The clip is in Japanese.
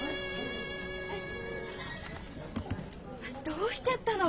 どうしちゃったの？